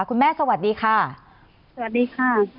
คุณแม่สวัสดีค่ะสวัสดีค่ะ